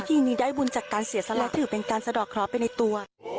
ทีนี้ได้บุญจากการเสียสละถือเป็นการสะดอกเคราะห์ไปในตัว